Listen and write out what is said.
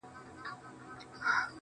د غلا خبري پټي ساتي.